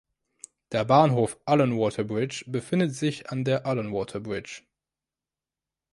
Der Bahnhof Allanwater Bridge befindet sich an der Allanwater Bridge.